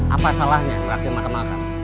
apa salahnya raktir makan makan